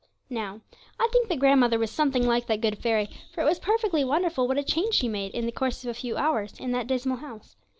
Now, I think that grandmother was something like that good fairy, for it was perfectly wonderful what a change she made, in the course of a few hours, in that dismal house.